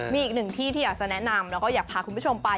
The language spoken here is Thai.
มีอีกหนึ่งที่ที่อยากจะแนะนำแล้วก็อยากพาคุณผู้ชมไป